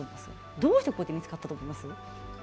どうしてここで見つかったと思いますか？